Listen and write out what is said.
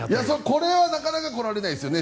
これはなかなか来られないですよね。